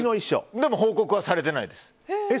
でも報告はされていないです。